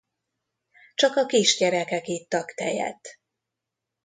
Csak a kisgyerekek ittak tejet.